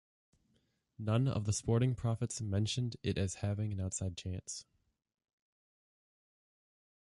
None of the sporting prophets mentioned it as having an outside chance.